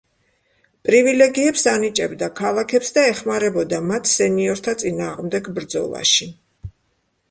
პრივილეგიებს ანიჭებდა ქალაქებს და ეხმარებოდა მათ სენიორთა წინააღმდეგ ბრძოლაში.